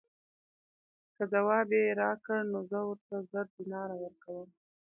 که ځواب یې راکړ نو زه ورته زر دیناره ورکووم.